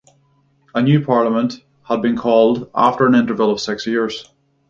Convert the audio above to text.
A new Parliament had been called after an interval of six years.